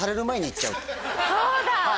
そうだ！